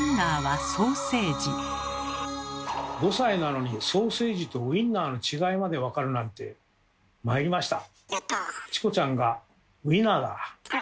５歳なのにソーセージとウインナーの違いまで分かるなんてあら！